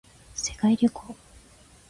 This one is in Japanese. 世界旅行